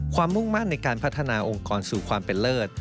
มุ่งมั่นในการพัฒนาองค์กรสู่ความเป็นเลิศ